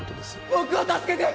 僕を助けて！